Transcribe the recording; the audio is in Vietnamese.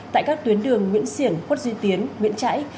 tại các tuyến đường nguyễn xiển khuất duy tiến nguyễn trãi